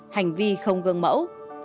hành vi không gương mẫu